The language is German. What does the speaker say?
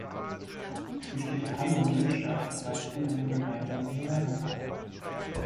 Die Städte Hamm und Lippstadt reichten eine gemeinsame Bewerbung ein.